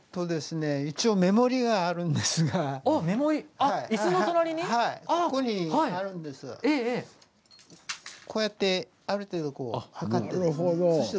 一応、目盛りがあるんですがこうやってある程度測って。